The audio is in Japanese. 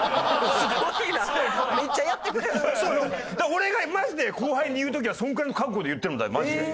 俺がマジで後輩に言う時はそのくらいの覚悟で言ってるもんマジで。